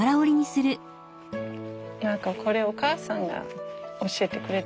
何かこれお母さんが教えてくれたけど。